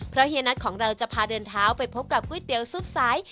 เพราะเฮียนัทของเราจะพาเดินเท้าไปพบกับก๋วยเตี๋ยวซุปสาย